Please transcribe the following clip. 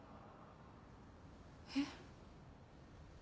えっ？